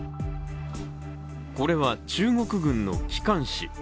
これは中国軍の機関誌。